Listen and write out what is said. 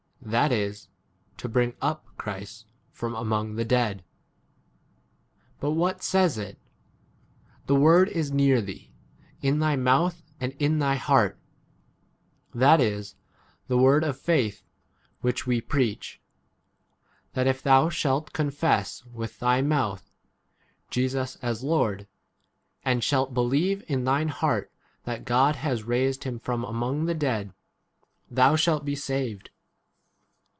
That is, to bring up Christ from among 8 [the] dead. But what says it ? The word is near thee, in thy mouth and in thy heart : that is, the word of faith, which we 9 preach : that if thou shalt confess with thy mouth, Jesus as Lord, v and shalt believe in thine heart that God has raised him from among [the] dead, thou shalt be 10 saved.